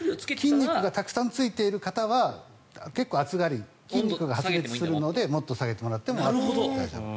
筋肉がたくさんついている方は結構暑がり、筋肉が発熱するのでもっと下げてもいい。